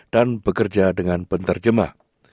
dan bekerja dengan penterjemah